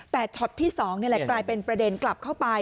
แต่ช็อตที่๒นี่แหละกลายเป็นประเด็นกลับเข้าไป